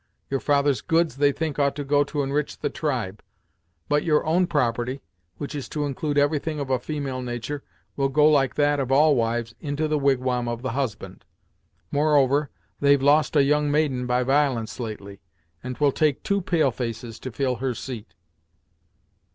Your father's goods they think ought to go to enrich the tribe, but your own property, which is to include everything of a female natur', will go like that of all wives, into the wigwam of the husband. Moreover, they've lost a young maiden by violence, lately, and 'twill take two pale faces to fill her seat."